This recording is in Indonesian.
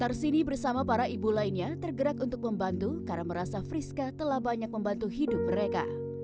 tarsini bersama para ibu lainnya tergerak untuk membantu karena merasa friska telah banyak membantu hidup mereka